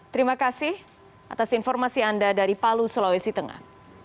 terima kasih atas informasi anda dari palu sulawesi tengah